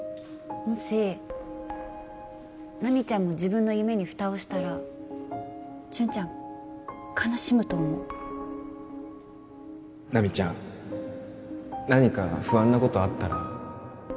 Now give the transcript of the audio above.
もし奈未ちゃんも自分の夢にフタをしたら潤ちゃん悲しむと思う奈未ちゃん何か不安なことあったら